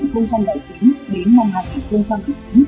từ năm hai nghìn bảy mươi chín đến năm hai nghìn một mươi chín